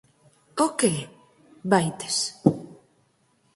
O que? Vaites.